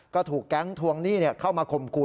ก็ถูกแก๊งทวงหนี้เข้ามาข่มขู่